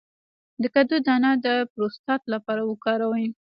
د کدو دانه د پروستات لپاره وکاروئ